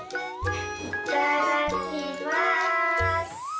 いただきます。